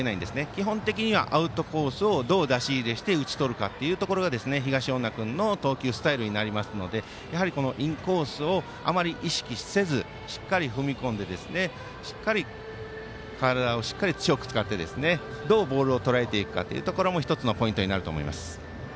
基本的にはアウトコースをどう出し入れして打ち取るかというところが東恩納君の投球スタイルになりますのでやはりインコースをあまり意識せずしっかり踏み込んでしっかり体を強く使ってどうボールをとらえていくかということも１つのポイントになると思います。